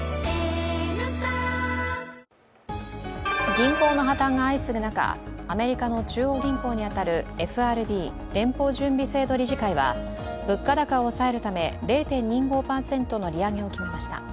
銀行の破綻が相次ぐ中アメリカの中央銀行に当たるＦＲＢ＝連邦準備制度理事会は物価高を抑えるため０．２５％の利上げを決めました。